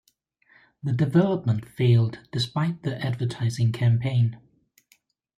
The development failed despite the advertising campaign.